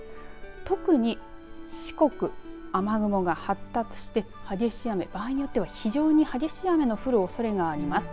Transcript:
特に四国雨雲が発達して、激しい雨場合によっては非常に激しい雨の降るおそれがあります。